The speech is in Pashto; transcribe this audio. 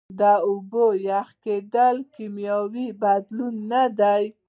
خو د اوبو یخ کیدل کیمیاوي بدلون نه دی